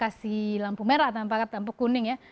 kasih lampu merah tanpa kuning ya